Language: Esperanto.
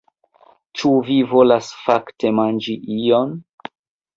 Ĉu vi volas fakte manĝi ion?